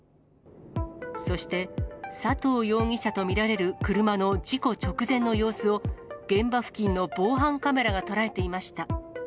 そして、佐藤容疑者と見られる車の事故直前の様子を、現場付近の防犯カメラが捉えていました。